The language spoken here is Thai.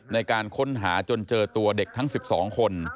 ในการค้นหาจนเจอตัวเด็กทั้ง๑๒คน